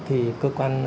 thì cơ quan